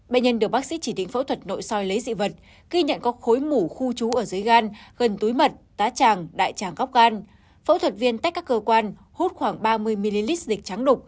bệnh nhân được bác sĩ chỉ tính phẫu thuật nội soi lấy dị vật ghi nhận có khối mủ khu trú ở dưới gan gần túi mật tá tràng đại tràng góc gan